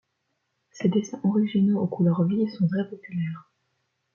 Ses dessins originaux aux couleurs vives sont très populaires.